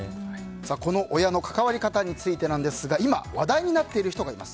この親の関わり方についてですが今、話題になっている人がいます。